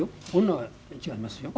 女は違いますよ。